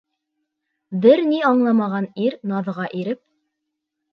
Бер ни аңламаған ир, наҙға иреп: